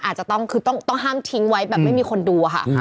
อาจจะต้องคือต้องห้ามทิ้งไว้แบบไม่มีคนดูอะค่ะ